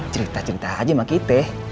cerita cerita aja sama kita